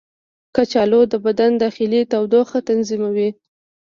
کچالو د بدن داخلي تودوخه تنظیموي.